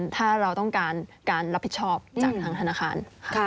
ถ้าเราต้องการการรับผิดชอบจากทางธนาคาร